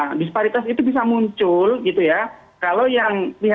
dan di ramai tim dan tim keventingan umum itu morgan huygher crispy yang jauh lebih